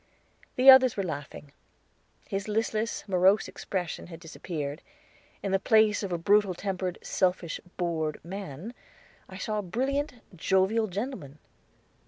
The others were laughing. His listless, morose expression had disappeared; in the place of a brutal tempered, selfish, bored man, I saw a brilliant, jovial gentleman.